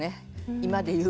今で言う。